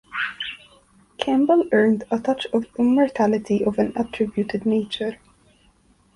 Campbell earned a touch of immortality of an attributed nature.